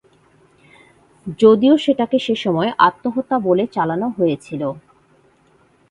যদিও সেটাকে সেসময় আত্মহত্যা বলে চালানো হয়েছিল।